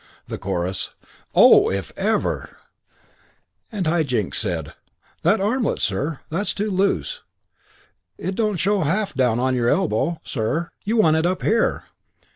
The chorus, "Oh, if ever!" High Jinks said, "That armlet, sir, that's too loose. It don't half show down on your elbow, sir. You want it up here."